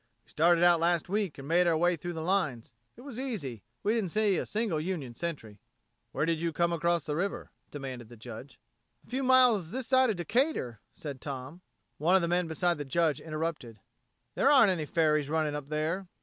We started out last week and made our way through the lines. It was easy. We didn't see a single Union sentry." "Where did you come across the river?" demanded the Judge. "A few miles this side of Decatur," said Tom. One of the men beside the Judge interrupted: "There aren't any ferries running up there."